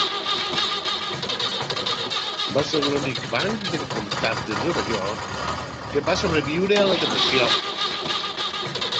Va ser l'únic banc del comtat de Nova York que va sobreviure a la depressió.